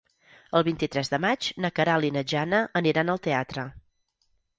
El vint-i-tres de maig na Queralt i na Jana aniran al teatre.